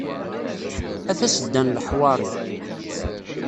A tasedda n leḥwari.